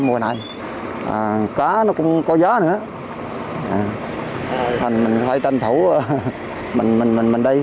mùa này là đánh bết nó đạt mình cũng phải tranh thủ mình đi đánh bết rồi đó anh